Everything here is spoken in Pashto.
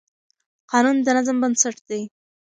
قانون د نظم بنسټ دی.